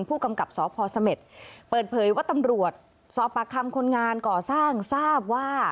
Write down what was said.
ผู้กำกับสพเสม็ดเปิดเผยว่าตำรวจสอบปากคำคนงานก่อสร้างทราบว่า